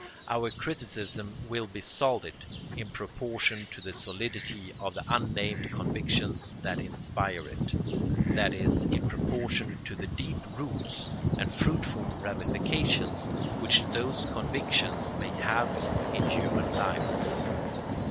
Our criticism will be solid in proportion to the solidity of the unnamed convictions that inspire it, that is, in proportion to the deep roots and fruitful ramifications which those convictions may have in human life.